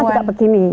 siraman juga begini